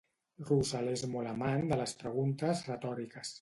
Russell és molt amant de les preguntes retòriques.